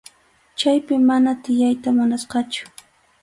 Chaypi mana tiyayta munasqachu.